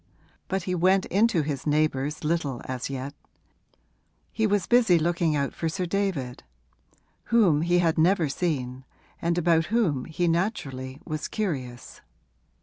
But he went into his neighbours little as yet: he was busy looking out for Sir David, whom he had never seen and about whom he naturally was curious.